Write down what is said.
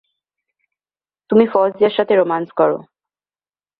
তুমি ফৌজিয়ার সাথে রোমান্স করো।